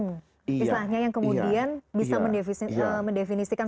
misalnya yang kemudian bisa mendefinisikan